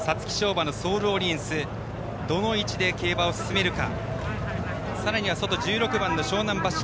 馬のソールオリエンスどの位置で競馬を進めるか。